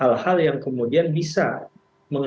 hal hal yang kemudian bisa mengarahkan hakim untuk kemuliaan